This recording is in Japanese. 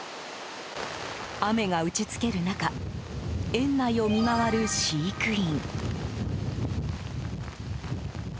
雨が打ち付ける中園内を見回る飼育員。